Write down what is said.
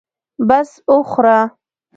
بس وخوره.